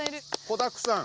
子だくさん。